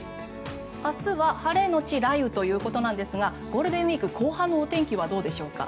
明日は晴れのち雷雨ということなんですがゴールデンウィーク後半のお天気はどうでしょうか。